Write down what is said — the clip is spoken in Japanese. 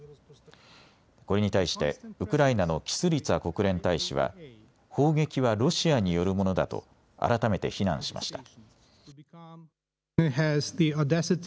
これに対してウクライナのキスリツァ国連大使は砲撃はロシアによるものだと改めて非難しました。